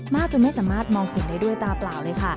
จนไม่สามารถมองเห็นได้ด้วยตาเปล่าเลยค่ะ